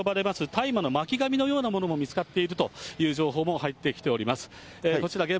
大麻の巻紙のようなものも見つかっているという情報も入ってきております。